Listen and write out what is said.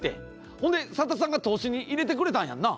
ほんで佐田さんが投資に入れてくれたんやんな？